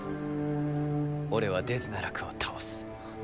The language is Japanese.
俺はデズナラクを倒す。